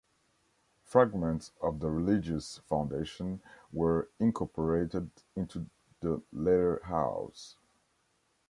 Fragments of the religious foundation were incorporated into the later house.